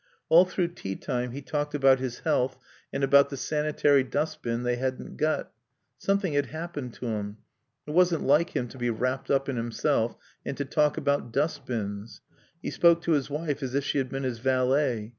All through tea time he talked about his health and about the sanitary dustbin they hadn't got. Something had happened to him. It wasn't like him to be wrapped up in himself and to talk about dustbins. He spoke to his wife as if she had been his valet.